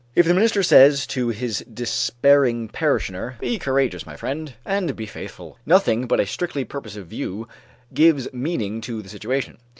If the minister says to his despairing parishioner, "Be courageous, my friend, and be faithful," nothing but a strictly purposive view gives meaning to the situation.